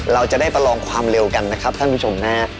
เราจะได้ประลองความเร็วกันนะครับท่านผู้ชมนะฮะ